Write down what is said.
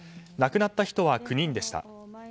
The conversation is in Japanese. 亡くなった人は９人でした。